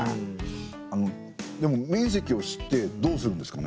あのでも面積を知ってどうするんですかね？